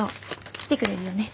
来てくれるよね？